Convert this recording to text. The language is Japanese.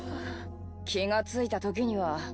気が付いたときには。